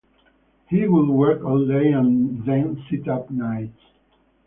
He would work all day and then sit up nights.